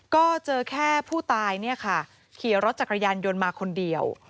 ก็เจอแค่ผู้ตายเนี่ยค่ะขี่รถจักรยานยนต์มาคนเดียว